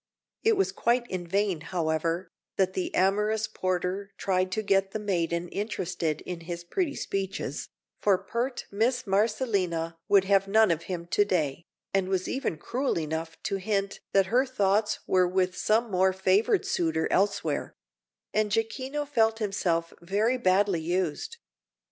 It was quite in vain, however, that the amorous porter tried to get the maiden interested in his pretty speeches, for pert Miss Marcellina would have none of him to day, and was even cruel enough to hint that her thoughts were with some more favoured suitor elsewhere; and Jacquino felt himself very badly used.